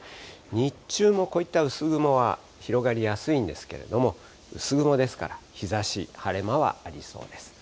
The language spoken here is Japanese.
日中もこういった薄雲は広がりやすいんですけれども、薄雲ですから、日ざし、晴れ間はありそうです。